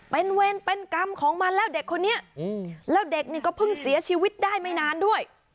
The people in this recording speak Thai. เป็นเวรเป็นกรรมของมันแล้วเด็กคนนี้แล้วเด็กนี่ก็เพิ่งเสียชีวิตได้ไม่นานด้วย